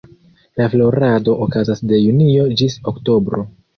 La florado okazas de junio ĝis oktobro.